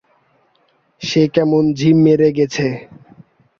সে কেমন ঝিম মেরে গেছে।